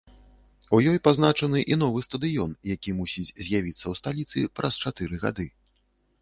У ёй пазначаны і новы стадыён, які мусіць з'явіцца ў сталіцы праз чатыры гады.